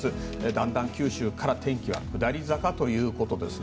だんだん九州から天気は下り坂ということです。